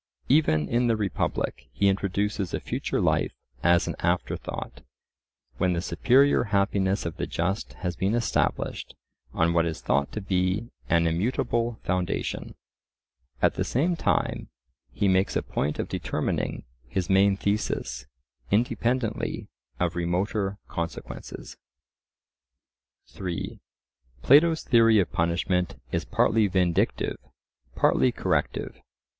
Even in the Republic he introduces a future life as an afterthought, when the superior happiness of the just has been established on what is thought to be an immutable foundation. At the same time he makes a point of determining his main thesis independently of remoter consequences. (3) Plato's theory of punishment is partly vindictive, partly corrective.